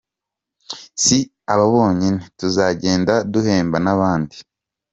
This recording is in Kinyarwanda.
Si aba bonyine, tuzagenda duhemba n’abandi.